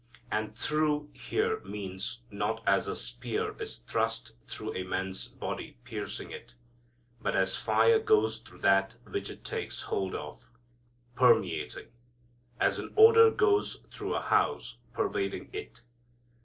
And "through" here means not as a spear is thrust through a man's body, piercing it, but as fire goes through that which it takes hold of, permeating; as an odor goes through a house, pervading it.